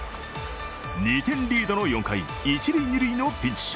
２点リードの４回一・二塁のピンチ。